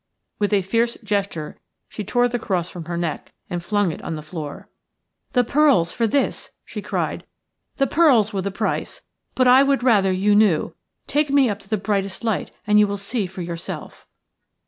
With a fierce gesture she tore the cross from her neck and flung it on the floor. "The pearls for this," she cried; "the pearls were the price; but I would rather you knew. Take me up to the brightest light and you will see for yourself."